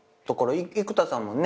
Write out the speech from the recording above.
生田さんもね